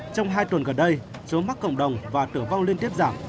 trong hai tuần gần đây số mắc cộng đồng và tử vong liên tiếp giảm